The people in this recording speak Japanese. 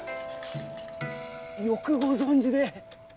よくご存じで。